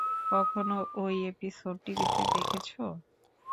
কখনো ওই এপিসোড টিভিতে দেখেছো?